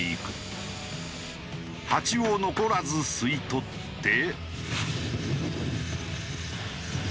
ハチを残らず吸い取って。